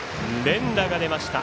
連打が出ました。